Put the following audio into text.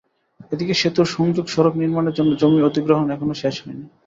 এদিকে সেতুর সংযোগ সড়ক নির্মাণের জন্য জমি অধিগ্রহণ এখনো শেষ হয়নি।